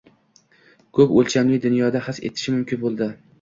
– ko‘p o‘lchamli dunyoda his etishi mumkin bo‘ladi.